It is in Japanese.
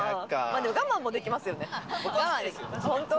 でも我慢もできますよね。